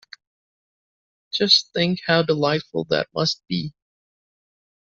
Just think how delightful that must be!